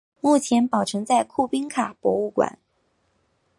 目前保存在库宾卡博物馆。